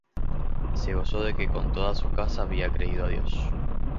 y se gozó de que con toda su casa había creído á Dios.